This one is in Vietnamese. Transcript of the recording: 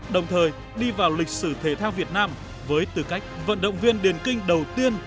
đồng thời đi vào lịch sử thể thao việt nam với tư cách vận động viên điền kinh đầu tiên